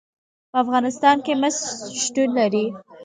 په افغانستان کې مس شتون لري.